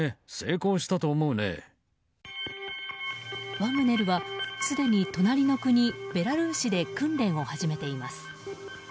ワグネルは、すでに隣の国ベラルーシで訓練を始めています。